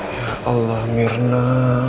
ya allah mirna